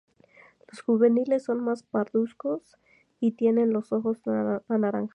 Los juveniles son más parduzcos y tienen los ojos anaranjados.